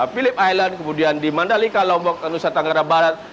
philip island kemudian di mandalika lombok nusa tenggara barat